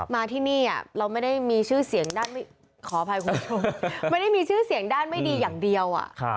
มาที่นี่เราไม่ได้มีชื่อเสียงด้านไม่ดีอย่างเดียว